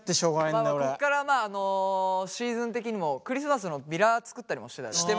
まあまあまあこっからシーズン的にもクリスマスのビラ作ったりもしてたじゃない。